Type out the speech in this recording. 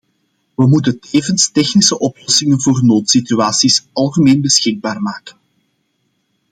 We moeten tevens technische oplossingen voor noodsituaties algemeen beschikbaar maken.